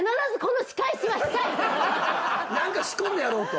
何か仕込んでやろうと。